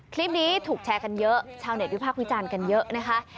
คลิปนี้ถูกแชร์กันเยอะชาวเน็ตวิพากษ์วิจารณ์กันเยอะนะคะ